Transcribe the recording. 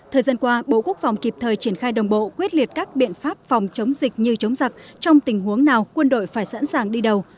thời gian qua bộ quốc phòng kịp thời triển khai đồng bộ quyết liệt các biện pháp phòng chống dịch như chống giặc trong tình huống nào quân đội phải sẵn sàng đi đầu